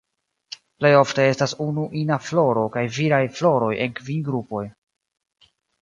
Plej ofte estas unu ina floro kaj viraj floroj en kvin grupoj.